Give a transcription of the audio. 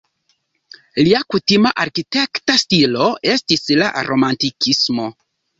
Lia kutima arkitekta stilo estis la romantikismo.